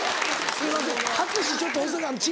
すいません